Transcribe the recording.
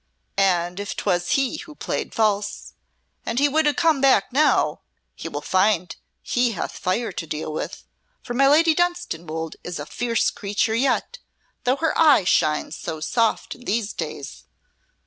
And if 'twas he who played false, and he would come back now, he will find he hath fire to deal with for my Lady Dunstanwolde is a fierce creature yet, though her eye shines so soft in these days."